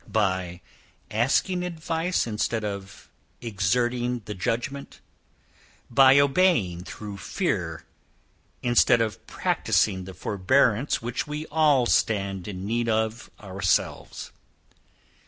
By asking advice instead of exerting the judgment? By obeying through fear, instead of practising the forbearance, which we all stand in need of ourselves?